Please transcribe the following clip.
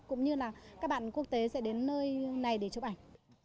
cũng như là các bạn quốc tế sẽ đến nơi này để chụp ảnh